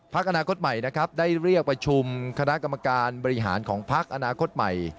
อนาคตใหม่นะครับได้เรียกประชุมคณะกรรมการบริหารของพักอนาคตใหม่